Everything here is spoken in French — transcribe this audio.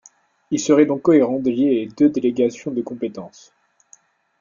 Il serait donc cohérent de lier les deux délégations de compétences.